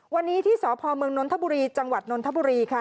วันนี้ที่สพมนธบุรีจังหวัดนธบุรีค่ะ